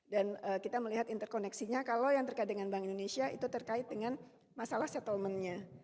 dan kita melihat interkoneksinya kalau yang terkait dengan bank indonesia itu terkait dengan masalah settlementnya